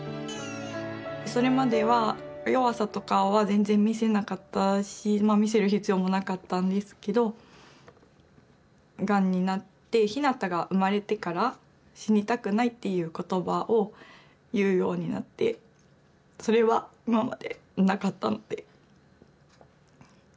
それまでは、弱さとかは全然見せなかったし見せる必要もなかったんですけどがんになって陽向が生まれてから死にたくないっていう言葉を言うようになってそれは今までなかったので。